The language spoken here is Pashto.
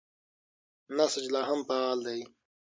نسج لا هم فعال دی.